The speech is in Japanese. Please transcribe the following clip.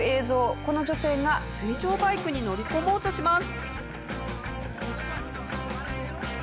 この女性が水上バイクに乗り込もうとします。